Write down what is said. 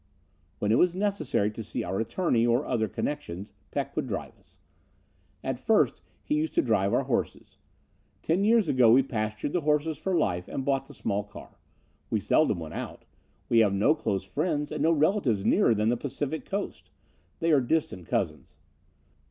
"When it was necessary to see our attorney or other connections, Peck would drive us. At first he used to drive our horses. Ten years ago we pastured the horses for life and bought the small car. We seldom went out. We have no close friends and no relatives nearer than the Pacific coast. They are distant cousins.